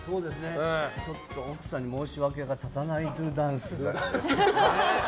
ちょっと奥さんに申し訳がいかないドゥーダンス。